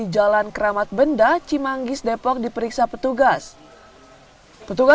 jalan keramat benda